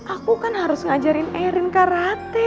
aku kan harus ngajarin erin karate